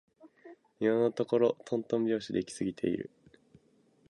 今のところとんとん拍子で行き過ぎている